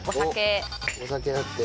お酒だって。